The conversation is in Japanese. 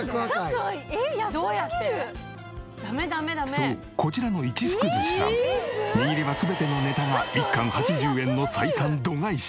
そうこちらの一福寿しさん握りは全てのネタが１貫８０円の採算度外視。